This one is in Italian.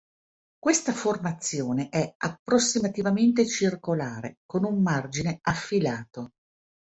Questa formazione è approssimativamente circolare, con un margine affilato.